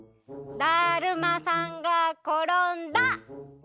だるまさんがころんだ！